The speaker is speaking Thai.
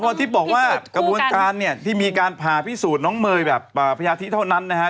หมอพรทิพย์บอกว่ากระบวนการที่มีการพาพิสูจน์น้องเมยแบบพยาธิเท่านั้นนะครับ